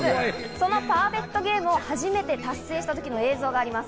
そのパーフェクトゲームを初めて達成した時の映像があります。